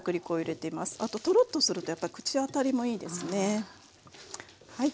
あとトロッとするとやっぱり口当たりもいいですね。